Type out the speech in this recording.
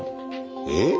えっ？